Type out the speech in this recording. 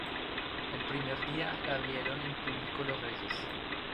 El primer día la vieron en público los Reyes.